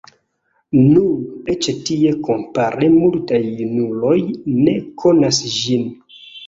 Nun, eĉ tie kompare multaj junuloj ne konas ĝin.